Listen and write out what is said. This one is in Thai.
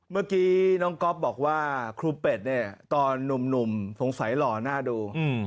เมื่อกี้น้องก็บอกว่าครูเปชเนี่ยตอนหนุ่มตรงสัยหรอน่าดู